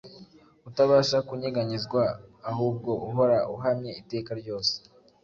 utabasha kunyeganyezwa, ahubwo uhora uhamye iteka ryose.